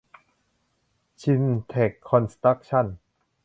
ซินเท็ค คอนสตรัคชั่น